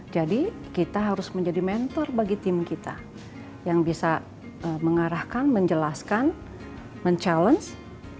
jadi kita harus menjadi mentor bagi tim kita yang bisa mengarahkan menjelaskan mencabar mencabar